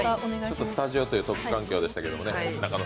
スタジオという特殊環境でしたけどね。